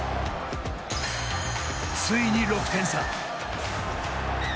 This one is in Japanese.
ついに６点差。